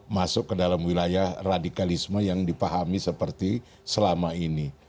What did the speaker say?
masuk ke dalam wilayah radikalisme yang dipahami seperti selama ini